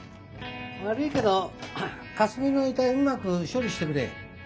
悪いけどかすみの遺体うまく処理してくれ。